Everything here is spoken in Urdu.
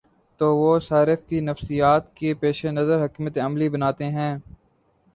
تو وہ صارف کی نفسیات کے پیش نظر حکمت عملی بناتے ہیں۔